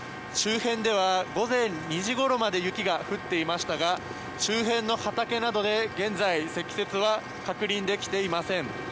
周辺では午前２時ごろまで雪が降っていましたが周辺の畑などで現在積雪は確認できていません。